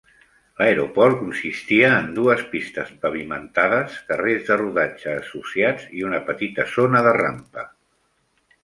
L'aeroport consistia en dues pistes pavimentades, carrers de rodatge associats i una petita zona de rampa.